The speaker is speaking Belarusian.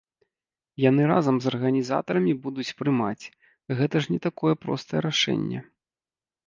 Яны разам з арганізатарамі будуць прымаць, гэта ж не такое простае рашэнне.